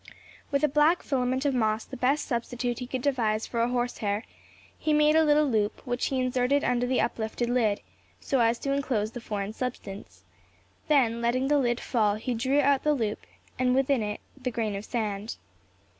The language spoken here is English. With a black filament of moss, the best substitute he could devise for a horse hair, he made a little loop, which he inserted under the uplifted lid, so as to enclose the foreign substance; then letting the lid fall, he drew out the loop, and within it the grain of sand.